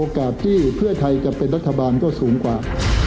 ที่เพื่อไทยจะเป็นรัฐบาลก็สูงกว่า